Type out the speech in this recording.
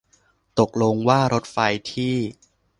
ตกลงว่ารถไฟที่